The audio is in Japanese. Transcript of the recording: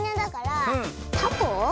タコ？